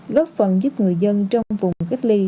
góp phần giúp người dân trong vùng cách ly